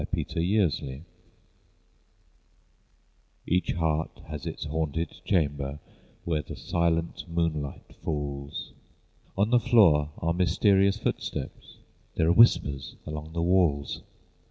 THE HAUNTED CHAMBER Each heart has its haunted chamber, Where the silent moonlight falls! On the floor are mysterious footsteps, There are whispers along the walls!